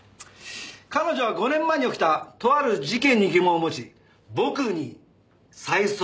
彼女は５年前に起きたとある事件に疑問を持ち僕に再捜査を依頼した。